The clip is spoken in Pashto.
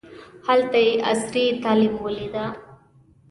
هلته یې عصري تعلیم ولیده.